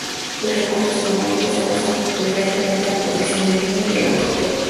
Sus recursos económicos se basan preferentemente en la producción de vino y la agricultura.